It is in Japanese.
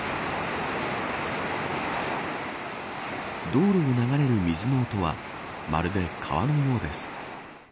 道路を流れる水の音はまるで川のようです。